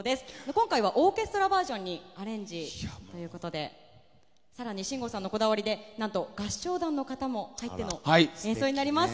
今回はオーケストラバージョンにアレンジということで更に信五さんのこだわりで合唱団の方も入っての演奏になります。